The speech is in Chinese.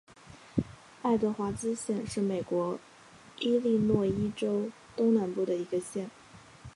爱德华兹县是美国伊利诺伊州东南部的一个县。